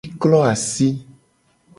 Mi klo asi.